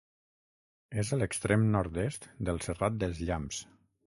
És a l'extrem nord-est del Serrat dels Llamps.